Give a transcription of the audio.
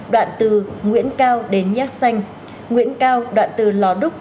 đoạn từ nguyễn cao đến nhác xanh nguyễn cao đoạn từ lò đúc